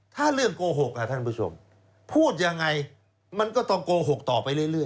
ถ้าเรื่องโกหกท่านผู้ชมพูดยังไงมันก็ต้องโกหกต่อไปเรื่อย